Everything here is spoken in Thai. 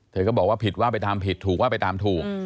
เธอก็บอกว่าผิดว่าไปทำผิดถูกว่าไปตามถูก